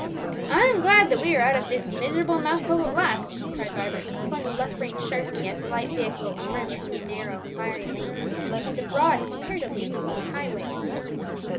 "I am glad that we are out of this miserable mouse hole at last," cried Vibert, pulling the left rein sharply as the light vehicle emerged from the narrow, miry lane into the broad and comparatively smooth highway.